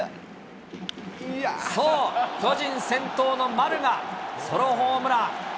そう、巨人先頭の丸が、ソロホームラン。